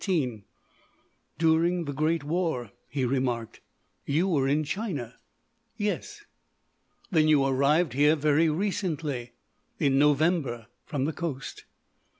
"During the great war," he remarked, "you were in China?" "Yes." "Then you arrived here very recently." "In November, from the Coast."